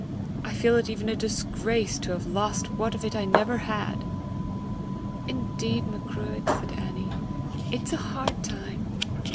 I feel it even a disgrace to have lost what of it I never had!" "Indeed, Macruadh," said Annie, "it's a hard time!